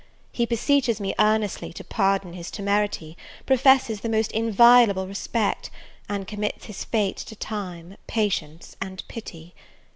He beseeches me earnestly to pardon his temerity; professes the most inviolable respect; and commits his fate to time, patience, and pity.